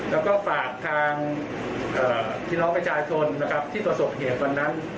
แล้วก็ฝากทางพี่น้องพญาชาชนที่ผสบเหตุวันนั้น